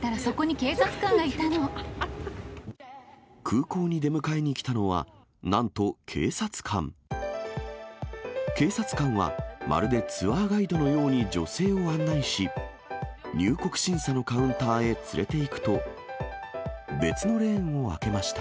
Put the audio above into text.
警察官は、まるでツアーガイドのように女性を案内し、入国審査のカウンターへ連れて行くと、別のレーンを開けました。